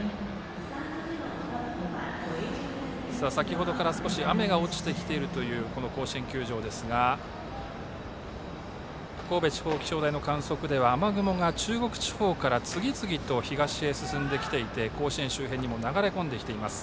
先程から少し雨が落ちてきている甲子園球場ですが神戸地方気象台の観測では雨雲が中国地方から次々と東へ進んできていて甲子園周辺にも流れ込んできています。